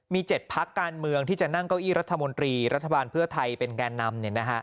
มี๗พักการเมืองที่จะนั่งเก้าอี้รัฐมนตรีรัฐบาลเพื่อไทยเป็นแก่นำ